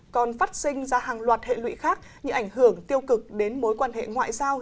còn phát sinh ra hàng loạt hệ lụy khác như ảnh hưởng tiêu cực đến mối quan hệ ngoại giao